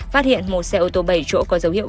phát hiện một xe ô tô bảy chỗ có dấu hiệu